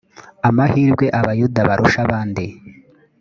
amahirwe abayuda barusha abandi